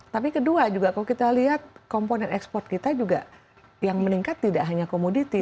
tapi kedua juga kalau kita lihat komponen ekspor kita juga yang meningkat tidak hanya komoditi